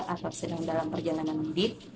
atau sedang dalam perjalanan mudik